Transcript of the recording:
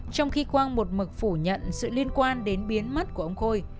trong khi quang một mực phủ nhận sự liên quan đến biến mất của ông khôi